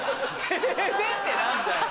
デデって何だよ。